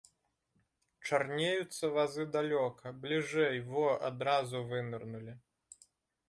Чарнеюцца вазы далёка, бліжэй, во, адразу вынырнулі.